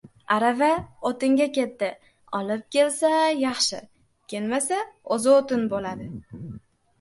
• Arava o‘tinga ketdi: olib kelsa ― yaxshi, kelmasa ― o‘zi o‘tin bo‘ladi.